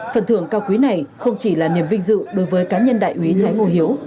phần thưởng cao quý này không chỉ là niềm vinh dự đối với cá nhân đại úy thái ngô hiếu